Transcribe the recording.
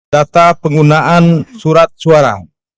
data penggunaan surat suara